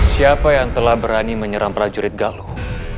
siapa yang telah berani menyerang prajurit galuh